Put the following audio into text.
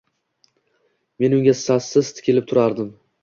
Men unga sassiz tikilib turardim.